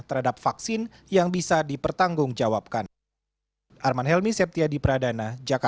terhadap vaksin yang bisa dipertanggungjawabkan